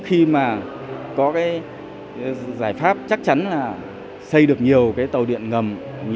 chỉ đặt ra vấn đề cấm cierto khi xây dựng nhiều tâu điện ngầm